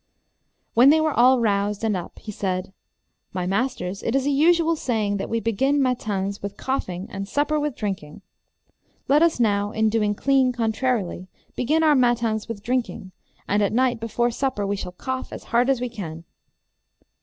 When they were all roused and up, he said, My masters, it is a usual saying, that we begin matins with coughing and supper with drinking. Let us now, in doing clean contrarily, begin our matins with drinking, and at night before supper we shall cough as hard as we can.